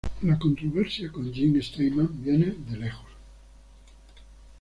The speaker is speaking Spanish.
La controversia con Jim Steinman viene de lejos.